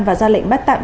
và ra lệnh bắt tạm